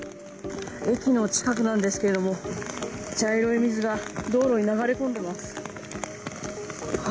駅の近くなんですけれども、茶色い水が道路に流れ込んでます。